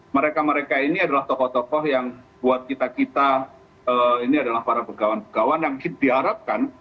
mereka mereka ini adalah tokoh tokoh yang buat kita kita ini adalah para pegawai yang diharapkan